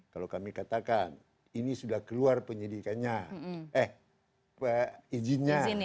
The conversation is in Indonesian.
kalau kami katakan ini sudah keluar penyidikannya eh izinnya